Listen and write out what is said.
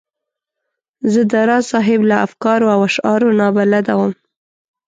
زه د راز صاحب له افکارو او اشعارو نا بلده وم.